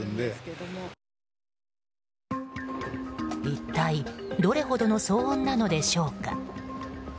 一体どれほどの騒音なのでしょうか。